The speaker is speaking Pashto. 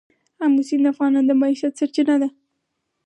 آمو سیند د افغانانو د معیشت سرچینه ده.